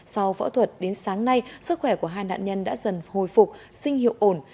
sau phẫu thuật đến sáng nay sức khỏe của hai nạn nhân đã dần hồi phục sinh hiệu ổn